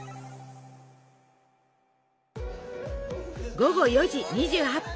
午後４時２８分！